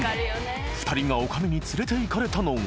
［２人が女将に連れていかれたのが］